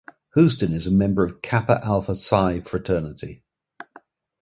Houston is a member of Kappa Alpha Psi fraternity.